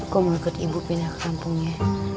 gua mau ikut ibu pindah ke kampungnya